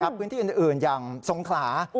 พื้นที่อื่นอย่างสงขลา